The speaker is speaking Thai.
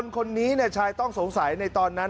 คนนี้ชายต้องสงสัยในตอนนั้น